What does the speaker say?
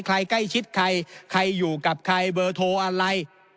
ใครใกล้ชิดใครใครอยู่กับใครเบอร์โทรอะไร